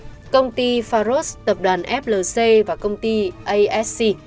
khác thuộc công ty bos công ty pharos tập đoàn flc và công ty asc